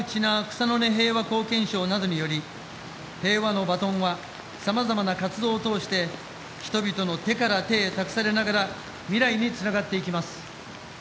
草の根平和貢献賞などにより平和のバトンはさまざまな活動を通して人々の手から手へ託されながら未来につながっていきます。